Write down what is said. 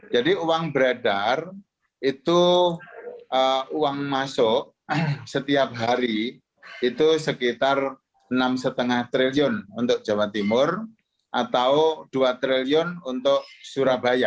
jadi uang beredar itu uang masuk setiap hari itu sekitar rp enam lima triliun untuk jawa timur atau rp dua triliun untuk surabaya